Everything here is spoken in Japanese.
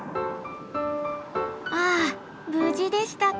ああ無事でしたか。